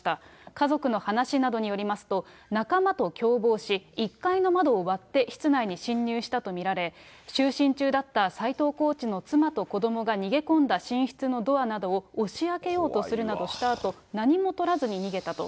家族の話などによりますと、仲間と共謀し、１階の窓を割って、室内に侵入したと見られ、就寝中だった斎藤コーチの妻と子どもが逃げ込んだ寝室のドアなどを押し開けようとするなどしたあと、何もとらずに逃げたと。